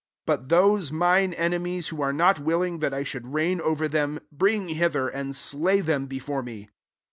27 But those mine enemies, who are not willing that I should reign over them, bring hither, and slay them before me."